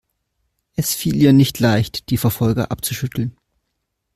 Es fiel ihr nicht leicht, die Verfolger abzuschütteln.